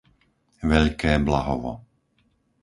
Veľké Blahovo